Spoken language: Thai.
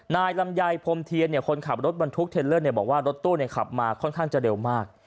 ลำไยพรมเทียนคนขับรถบรรทุกเทลเลอร์บอกว่ารถตู้ขับมาค่อนข้างจะเร็วมาก